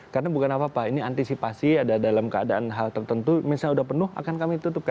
karena bukan apa apa ini antisipasi ada dalam keadaan hal tertentu misalnya sudah penuh akan kami tutupkan